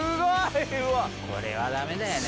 これはダメだよね。